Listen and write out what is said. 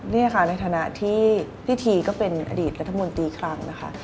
นี่ค่ะในฐานะที่พี่ทีก็เป็นอดีตรัฐมนตรีคลังนะคะ